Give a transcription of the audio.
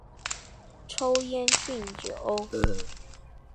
抽烟酗酒